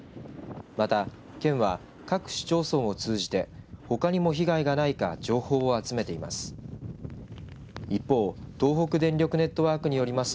また、県は各市町村を通じてほかにも被害がないか情報を集めています。